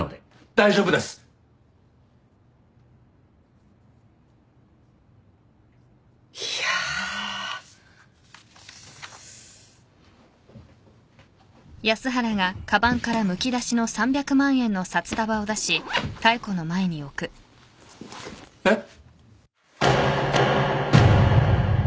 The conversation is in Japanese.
大丈夫です！いや。えっ？